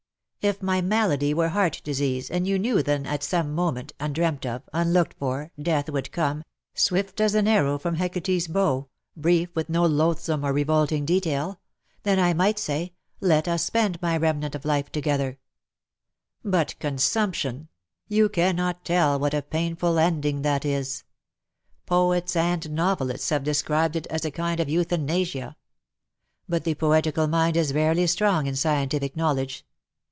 If my malady were heart disease, and you knew that at some moment — undreamt of —• unlooked for — death would come^ swift as an arrow from Hecate's bow, brief, with no loathsome or revolting detail — then I might say, ^ Let us spend my remnant of life together/ But consumption, you cannot tell what a painful ending that is I Poets and novelists have described it as a kind of euthanasia ; but the poetical mind is rarely strong in scientific knowledge.